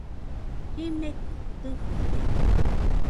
Jimekɨ tɨjɨde